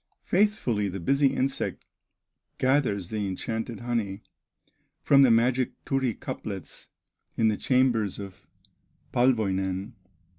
Faithfully the busy insect Gathers the enchanted honey From the magic Turi cuplets In the chambers of Palwoinen.